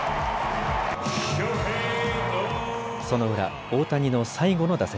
その裏、大谷の最後の打席。